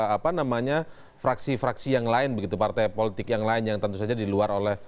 apa namanya fraksi fraksi yang lain begitu partai politik yang lain yang tentu saja diluar oleh